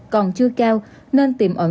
còn chưa cao nên tìm ẩn